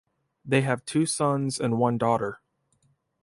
They have two sons and one daughter.